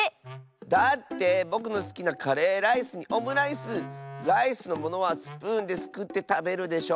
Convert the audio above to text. だってぼくのすきなカレーライスにオムライスライスのものはスプーンですくってたべるでしょ。